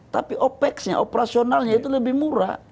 tapi opexnya operasionalnya itu lebih murah